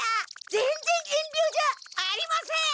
ぜんぜんえんりょじゃ。ありません！